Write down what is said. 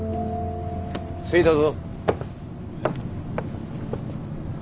着いたぞ！